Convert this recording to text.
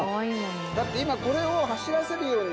だって今、これを走らせるよ